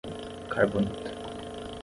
Carbonita